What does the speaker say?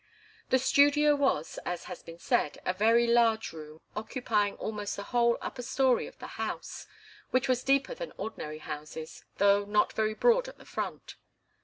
The studio was, as has been said, a very large room, occupying almost the whole upper story of the house, which was deeper than ordinary houses, though not very broad on the front.